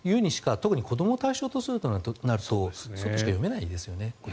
特に子どもを対象にするとなるとそうとしか読めないですよね。